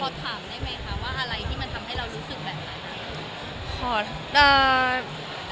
พอถามได้ไหมคะว่าอะไรที่มันทำให้เรารู้สึกแบบนั้น